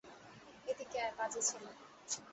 এদিকে আয়, পাজি ছেলে।